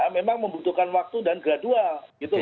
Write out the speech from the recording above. memang membutuhkan waktu dan gradual gitu